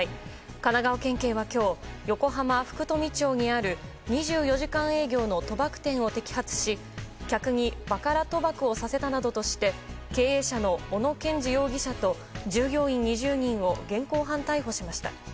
神奈川県警は今日横浜・福富町にある２４時間営業の賭博店を摘発し客にバカラ賭博をさせたなどとして経営者の小野兼司容疑者と従業員２０人を現行犯逮捕しました。